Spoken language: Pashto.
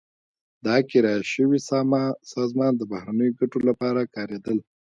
دا کرایه شوې سازمان د بهرنیو ګټو لپاره کارېدل.